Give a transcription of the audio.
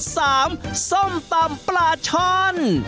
สามส้มปันปลาช่อน